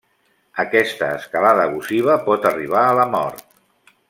Aquesta escalada abusiva pot arribar a la mort.